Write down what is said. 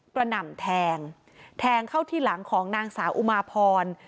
หน่ำแทงแทงเข้าที่หลังของนางสาวอุมาพร